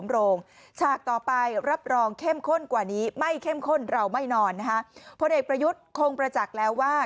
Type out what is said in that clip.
เราไม่นอนนะคะเพราะเด็กประยุทธ์คงประจักษ์แล้วว่า